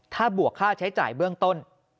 ถ้าบวกค่าใช้จ่ายเบื้องต้น